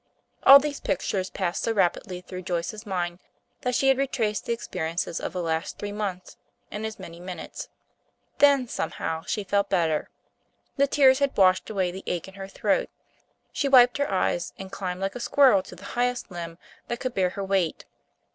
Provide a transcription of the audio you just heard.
All these pictures passed so rapidly through Joyce's mind, that she had retraced the experiences of the last three months in as many minutes. Then, somehow, she felt better. The tears had washed away the ache in her throat. She wiped her eyes and climbed liked a squirrel to the highest limb that could bear her weight.